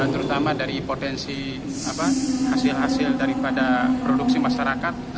terutama dari potensi hasil hasil daripada produksi masyarakat